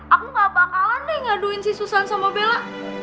aku gak bakalan deh ngaduin si susan sama bella